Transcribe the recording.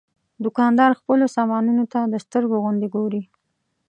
دوکاندار خپلو سامانونو ته د سترګو غوندې ګوري.